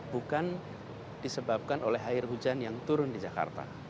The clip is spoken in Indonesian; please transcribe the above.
bukan disebabkan oleh air hujan yang turun di jakarta